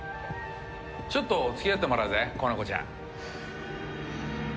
ちょっと付き合ってもらうぜ子ネコちゃん。